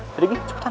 jadi gini cepetan